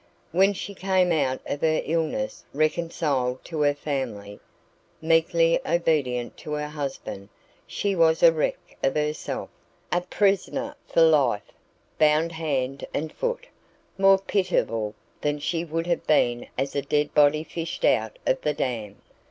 When she came out of her illness, reconciled to her family, meekly obedient to her husband, she was a wreck of herself a prisoner for life, bound hand and foot, more pitiable than she would have been as a dead body fished out of the dam.